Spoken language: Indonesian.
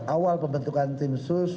awal pembentukan tim sus